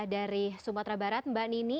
dari sumatera barat mbak nini